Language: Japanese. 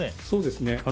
そうですね。